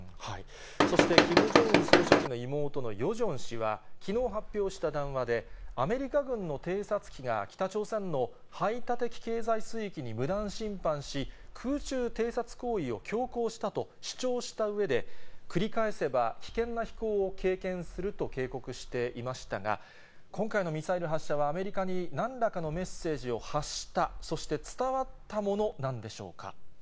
そしてキム・ジョンウン総書記の妹のヨジョン氏は、きのう発表した談話で、アメリカ軍の偵察機が北朝鮮の排他的経済水域に無断侵犯し、空中偵察行為を強行したと主張したうえで、繰り返せば危険な飛行を経験すると警告していましたが、今回のミサイル発射は、アメリカになんらかのメッセージを発した、そして伝わったものなんでしょうか。